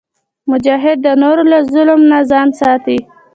مجاهد د نورو له ظلم نه ځان ساتي.